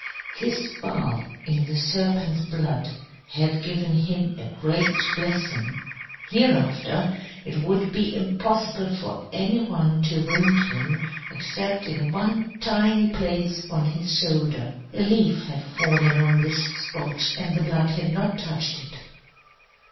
His bath in the serpent's blood had given him a great blessing. Hereafter it would be impossible for any one to wound him except in one tiny place on his shoulder. A leaf had fallen on this spot, and the blood had not touched it.